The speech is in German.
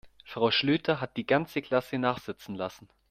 Frau Schlüter hat die ganze Klasse nachsitzen lassen.